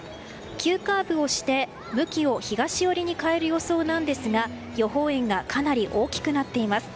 急カーブをして、向きを東寄りに変える予想なんですが予報円がかなり大きくなっています。